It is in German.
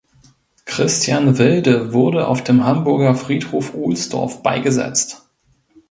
Christian Wilde wurde auf dem Hamburger Friedhof Ohlsdorf beigesetzt.